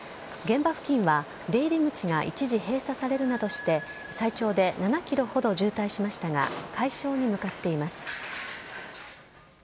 現場付近は、出入り口が一時閉鎖されるなどして、最長で７キロほど渋滞しましたが、解消に向かっています。